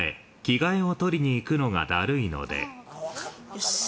よし。